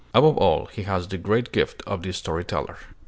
Above all, he has the great gift of the story teller.